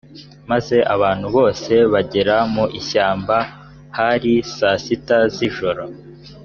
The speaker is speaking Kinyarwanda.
maze abantu bose bagera mu ishyamba hari saa sita z’ijoro